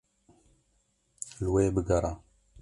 Li wê bigere.